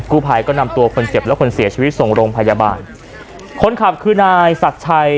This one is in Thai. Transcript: ผู้ภัยก็นำตัวคนเจ็บและคนเสียชีวิตส่งโรงพยาบาลคนขับคือนายศักดิ์ชัย